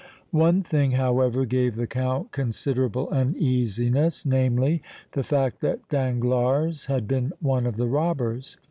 One thing, however, gave the Count considerable uneasiness, namely, the fact that Danglars had been one of the robbers.